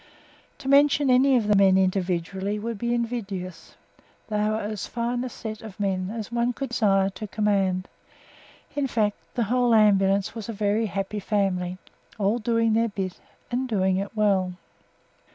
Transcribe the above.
To mention any of the men individually would be invidious. They were as fine a set of men as one would desire to command. In fact, the whole Ambulance was a very happy family, all doing their bit and doing it well.